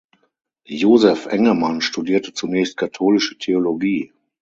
Josef Engemann studierte zunächst Katholische Theologie.